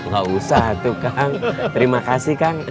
gak usah tuh kang terima kasih kang